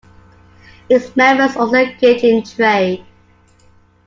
Its members also engaged in trade.